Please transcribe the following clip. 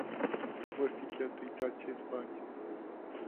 Cum vor fi cheltuiți acești bani?